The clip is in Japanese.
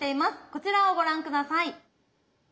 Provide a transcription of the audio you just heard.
こちらをご覧下さい。